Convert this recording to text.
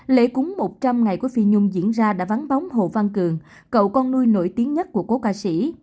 lễ cúng một trăm linh ngày của phi nhung diễn ra đã vắng bóng hồ văn cường cậu con nuôi nổi tiếng nhất của cố ca sĩ